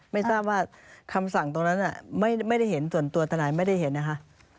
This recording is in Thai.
ไม่ทราบว่าคำสั่งตรงนั้นไม่ได้เห็นส่วนตัวทนายไม่ได้เห็นนะคะ